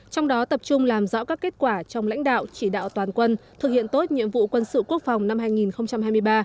trong đó tập trung làm rõ các kết quả trong lãnh đạo chỉ đạo toàn quân thực hiện tốt nhiệm vụ quân sự quốc phòng năm hai nghìn hai mươi ba